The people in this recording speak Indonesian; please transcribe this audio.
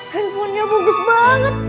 handphone nya bagus banget